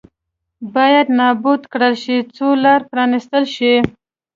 باید نابود کړل شي څو لار پرانېستل شي.